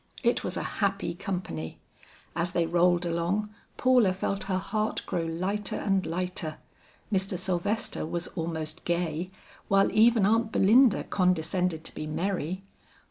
It was a happy company. As they rolled along, Paula felt her heart grow lighter and lighter, Mr. Sylvester was almost gay, while even Aunt Belinda condescended to be merry.